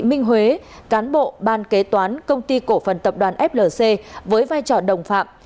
minh huế cán bộ ban kế toán công ty cổ phần tập đoàn flc với vai trò đồng phạm